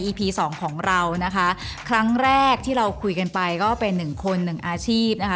สองของเรานะคะครั้งแรกที่เราคุยกันไปก็เป็นหนึ่งคนหนึ่งอาชีพนะคะ